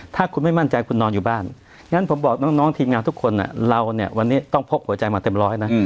ถ้าคุณไม่มั่นใจคุณนอนอยู่บ้านงั้นผมบอกน้องทีมงานทุกคนเราเนี่ยวันนี้ต้องพกหัวใจมาเต็มร้อยนะ